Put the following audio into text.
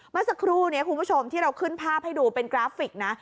เมื่อสักครู่นี้คุณผู้ชมที่เราขึ้นภาพให้ดูเป็นกราฟิกนะ